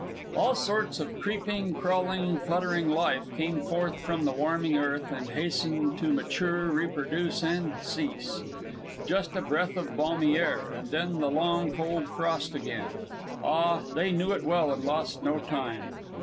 All sorts of creeping, crawling, fluttering life came forth from the warming earth and hastened to mature, reproduce, and cease. Just a breath of balmy air, and then the long cold frost again ah! they knew it well and lost no time.